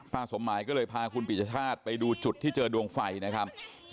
สมหมายก็เลยพาคุณปิชชาติไปดูจุดที่เจอดวงไฟนะครับ